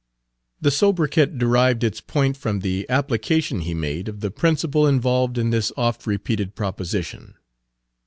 The sobriquet derived its point from the application he made of the principle involved in this oft repeated proposition.